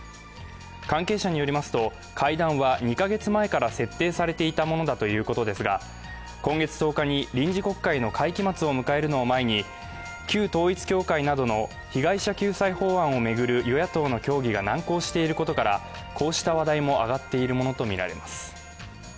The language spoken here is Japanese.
関係者によりますと会談は２カ月前から設定されていたものだということですが今月１０日に臨時国会の会期末を迎えるのを前に旧統一教会などの被害者救済法案を巡る与野党の協議が難航していることからこうした話題も上がっているものとみられます。